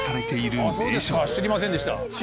知りませんでした。